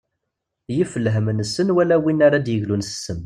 Yif lhem nessen wala win ara d-yeglun s ssem.